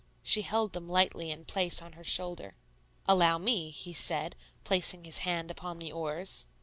She held them lightly in place on her shoulder. "Allow me," he said, placing his hand upon the oars.